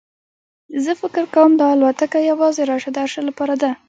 زه فکر کوم دا الوتکه یوازې راشه درشه لپاره ده.